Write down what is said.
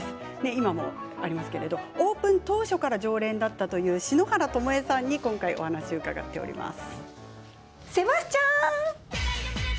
今もありますけれどオープン当初から常連だったという篠原ともえさんに伺いました。